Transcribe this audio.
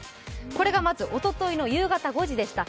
これがまず、おとといの夕方５時でした。